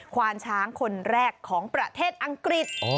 ควานช้างคนแรกของประเทศอังกฤษ